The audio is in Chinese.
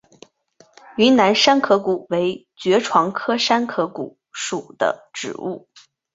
云南山壳骨为爵床科山壳骨属的植物。